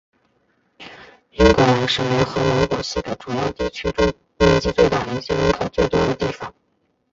英格兰是联合王国四个主要地区中面积最大以及人口最多的地方。